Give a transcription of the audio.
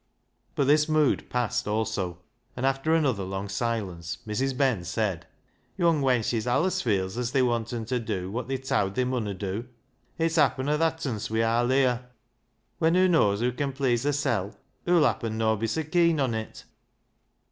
But this mood passed also, and after another long silence Mrs. Ben said —" Young wenches allis feels as they wanten ta dew wot they're towd they munna dew. It's happen o' thatunce wi' aar Leah. When hoo knows hoo can pleease hersel' hoo'll happen nor be so keen on it."